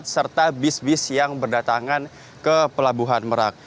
serta bis bis yang berdatangan ke pelabuhan merak